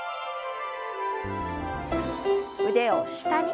腕を下に。